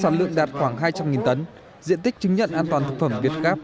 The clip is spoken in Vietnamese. sản lượng đạt khoảng hai trăm linh tấn diện tích chứng nhận an toàn thực phẩm việt gáp